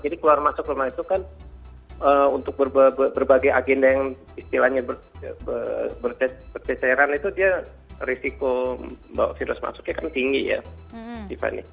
jadi keluar masuk rumah itu kan untuk berbagai agenda yang istilahnya berpeseran itu dia risiko virus masuknya kan tinggi ya